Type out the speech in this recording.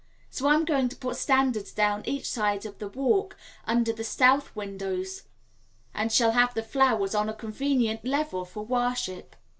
So I am going to put standards down each side of the walk under the south windows, and shall have the flowers on a convenient level for worship.